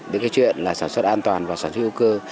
điều chuyện sản xuất an toàn và sản xuất hữu cơ